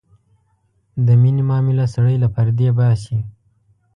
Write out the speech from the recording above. د مینې معامله سړی له پردې باسي.